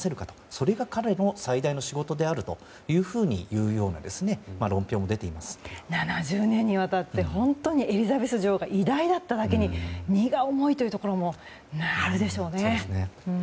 それが彼の最大の仕事であるというような７０年にわたってエリザベス女王が本当に偉大だっただけに荷が重いというところもあるでしょうね。